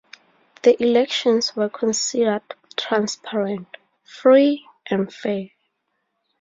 The elections were considered transparent, free, and fair.